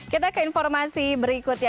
kita ke informasi berikut ya